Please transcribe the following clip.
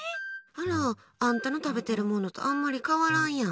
あら、あんたの食べてるものとあんまり変わらんやん。